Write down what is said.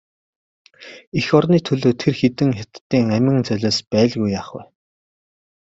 Эх орны төлөө тэр хэдэн хятадын амин золиос байлгүй яах вэ?